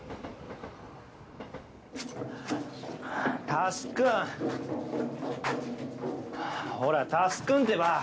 佑くん！ほら佑くんってば！